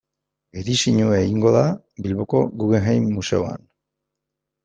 Edizioa egingo da Bilboko Guggenheim museoan.